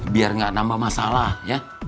biar nggak nambah masalah ya